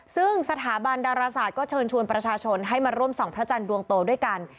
ซึ่งสถาบันดาราศาสตร์ก็เชิญชวนประชาชนให้มาร่วมส่องพระจันทร์ดวงโตด้วยกัน